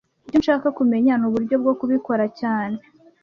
Icyo nshaka kumenya nuburyo bwo kubikora cyane